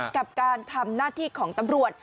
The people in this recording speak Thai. กับการทำหน้าที่ของตำรวจ